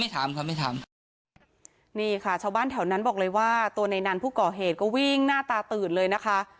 มีความไม่ทำว่านี่ค่ะชวบ้านแถวนั้นบอกเลยว่าตัวนัยน่านผู้ก่อเหตุก็วิ้งหน้าตาตื่นเลยนะคะ